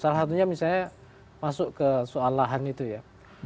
salah satunya misalnya masuk ke soalan itu ya